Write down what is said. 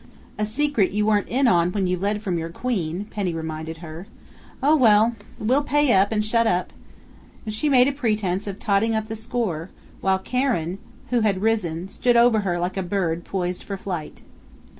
"A secret you weren't in on when you led from your Queen," Penny reminded her. "Oh, well! We'll pay up and shut up!" and she made a pretense of totting up the score, while Karen, who had risen, stood over her like a bird poised for flight.